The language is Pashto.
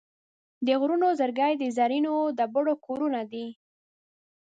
د غرونو زړګي د زرینو ډبرو کورونه دي.